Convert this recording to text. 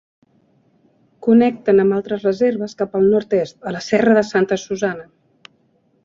Connecten amb altres reserves cap al nord-est, a la serra de Santa Susana.